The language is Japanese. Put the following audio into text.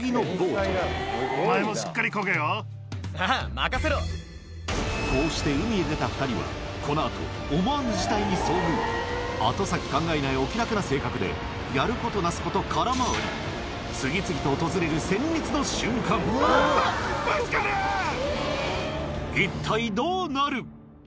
なんとそれはこうして海へ出た２人はこの後後先考えないお気楽な性格でやることなすこと空回り次々と訪れる一体どうなる？